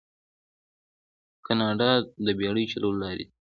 کاناډا د بیړیو چلولو لارې لري.